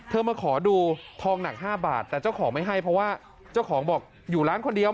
มาขอดูทองหนัก๕บาทแต่เจ้าของไม่ให้เพราะว่าเจ้าของบอกอยู่ร้านคนเดียว